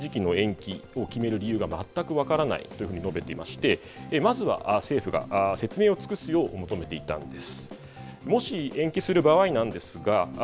今、廃止時期の延期を決める理由は全く分からないというふうに述べていましてまずは政府が説明を尽くすよう求めていたんです。